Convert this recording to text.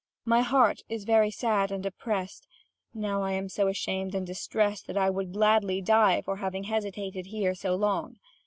My heart is very sad and oppressed: now I am so ashamed and distressed that I would gladly die for having hesitated here so long.